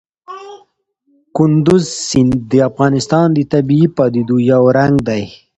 کندز سیند د افغانستان د طبیعي پدیدو یو رنګ دی.